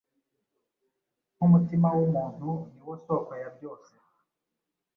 Nkumutima wumuntu niwo soko yabyose